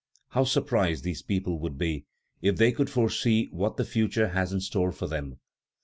How surprised these people would be if they could foresee what the future has in store for them!